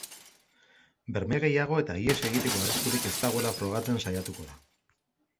Berme gehiago eta ihes egiteko arriskurik ez dagoela frogatzen saiatuko da.